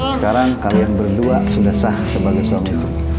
sekarang kalian berdua sudah sah sebagai suami istri